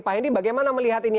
pak hendy bagaimana melihat ini